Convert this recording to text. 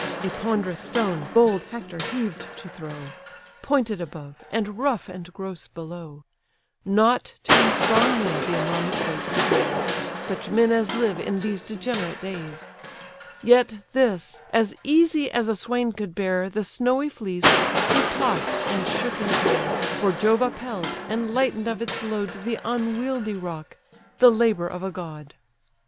A ponderous stone bold Hector heaved to throw, Pointed above, and rough and gross below: Not two strong men the enormous weight could raise, Such men as live in these degenerate days: Yet this, as easy as a swain could bear The snowy fleece, he toss'd, and shook in air; For Jove upheld, and lighten'd of its load The unwieldy rock, the labour of a god.